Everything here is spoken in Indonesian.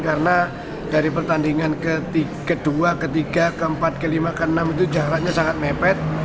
karena dari pertandingan ke dua ke tiga ke empat ke lima ke enam itu jaraknya sangat mepet